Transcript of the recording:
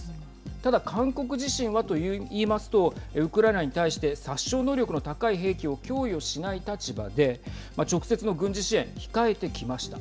ただ、韓国自身はと言いますとウクライナに対して殺傷能力の高い兵器を供与しない立場で直接の軍事支援、控えてきました。